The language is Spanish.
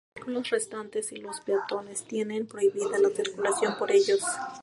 Los vehículos restantes y los peatones tienen prohibida la circulación por ellos.